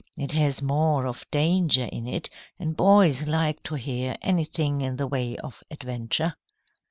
It has more of danger in it, and boys like to hear anything in the way of adventure."